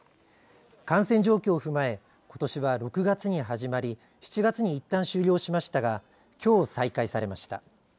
感染状況を踏まえことしは６月に始まり７月にいったん終了しましたがきょう再開されました。